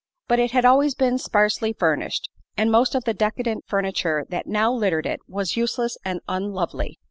But it had always been sparsely furnished, and most of the decadent furniture that now littered it was useless and unlovely.